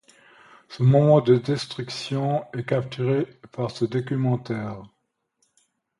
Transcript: Ce moment de destruction est capturé par ce documentaire.